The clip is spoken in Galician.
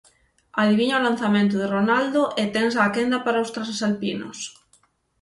Adiviña o lanzamento de Ronaldo e tensa a quenda para os transalpinos.